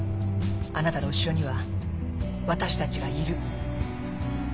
あなたの後ろにはわたしたちがいる。